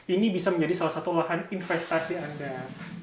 ini bisa menjadi salah satu lahan investasi anda